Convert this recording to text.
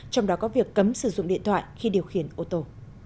trong đó có việc cấm sử dụng điện thoại khi điều khiển ô tô